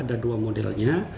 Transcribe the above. ada dua modelnya